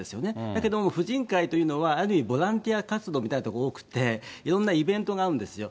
だけども夫人会というのは、ある意味、ボランティア活動みたいなところが多くて、いろんなイベントがあるんですよ。